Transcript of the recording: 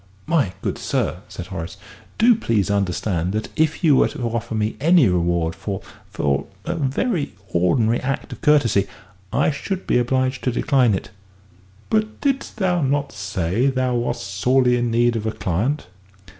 '" "My good sir," said Horace, "do please understand that if you were to offer me any reward for for a very ordinary act of courtesy, I should be obliged to decline it." "But didst thou not say that thou wast sorely in need of a client?"